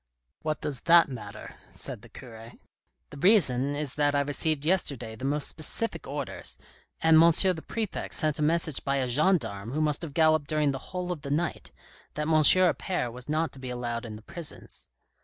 What does that matter ?" said the cure. "The reason is that I received yesterday the most specific orders, and M. the Prefect sent a message by a gendarme who must have galloped during the whole of the night, that M. Appert was not to be allowed in the prisons."